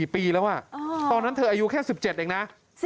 ๔ปีแล้วตอนนั้นเธออายุแค่๑๗เองนะ